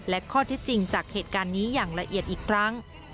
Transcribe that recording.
และข้อเท็จจริงจากเหตุการณ์นี้อย่างละเอียดอีกครั้ง